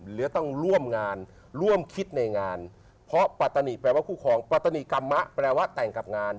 เหลือต้องร่วมงานร่วมคิดในงานเพราะปรัตนิกรรมะแปลว่าแต่งกับงาน